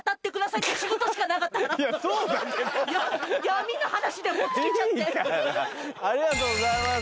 いいからありがとうございます。